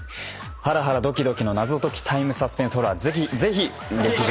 ハラハラドキドキの謎解きタイムサスペンスホラー。